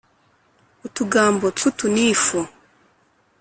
utug-ambo tw'utunifu